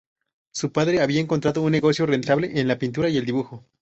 Su padre había encontrado un negocio rentable en la pintura y el dibujo.